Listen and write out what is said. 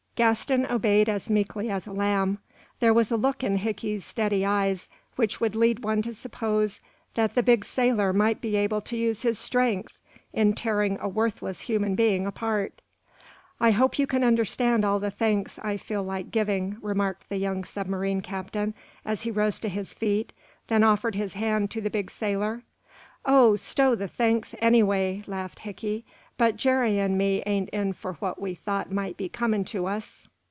Gaston obeyed as meekly as a lamb. There was a look in Hickey's steady eyes which would lead one to suppose that the big sailor might be able to use his strength in tearing a worthless human being apart. "I hope you can understand all the thanks I feel like giving," remarked the young submarine captain, as he rose to his feet, then offered his hand to the big sailor. "Oh, stow the thanks, anyway," laughed Hickey. "But Jerry and me ain't in for what we thought might be coming to us."